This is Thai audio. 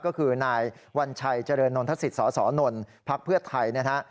ก็คือนายวัญชัยเจริญนทศิษฐ์สสน๕พไทยนะฮะ